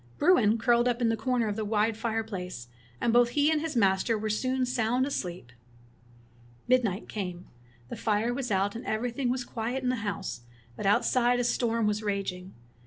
Bruin curled up in a corner of the wide fire place, and both he and his master were soon sound asleep. Midnight came. The fire was out, and everything was quiet in the house, but out side a storm was raging.